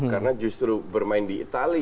karena justru bermain di itali